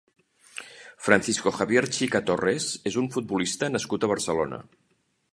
Francisco Javier Chica Torres és un futbolista nascut a Barcelona.